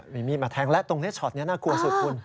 มีมีดมาแทงแล้วตรงนี้ช็อตนี้น่ากลัวสุดคุณ